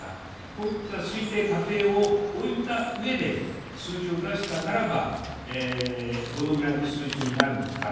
こういった推定・仮定を置いたうえで数字を出したならばどのぐらいの数字になるのか。